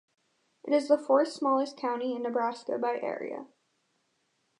It is the fourth-smallest county in Nebraska by area.